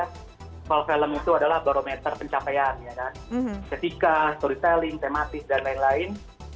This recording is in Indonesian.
festival film itu adalah barometer pencapaian ya kan ketika storytelling tematis dan lain lain